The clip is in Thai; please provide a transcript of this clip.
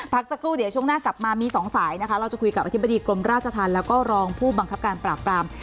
พักสักครู่เดี๋ยวช่วงหน้ากลับมามีสองสายนะคะเราจะคุยกับอธิบดีกรมราชธรรมแล้วก็รองผู้บังคับการปราบปราม